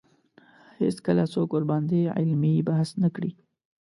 هېڅکله څوک ورباندې علمي بحث نه کړي